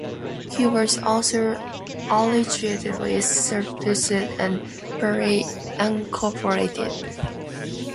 He was also allegedly abusive and very uncooperative.